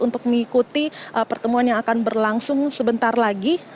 untuk mengikuti pertemuan yang akan berlangsung sebentar lagi